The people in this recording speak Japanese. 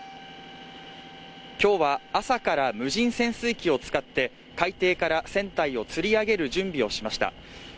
今日は朝から無人潜水機を使って海底から船体をつり上げる準備をしました